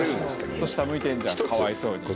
ずっと下向いてんじゃんかわいそうに。